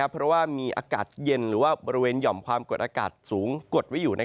เพราะว่ามีอากาศเย็นหรือว่าบริเวณหย่อมความกดอากาศสูงกดไว้อยู่